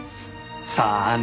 さあね。